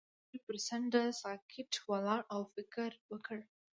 هغه د ستوري پر څنډه ساکت ولاړ او فکر وکړ.